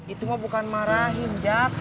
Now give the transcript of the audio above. itu mah bukan marahin jak